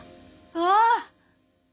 ああ！